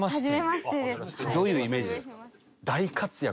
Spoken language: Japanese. どういうイメージですか？